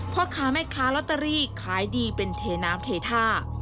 พ่อค้าแม่ค้าลอตเตอรี่ขายดีเป็นเทน้ำเทท่า